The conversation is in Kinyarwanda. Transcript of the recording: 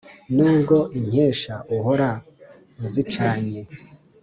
Nubwo inkesha uhora uzicanye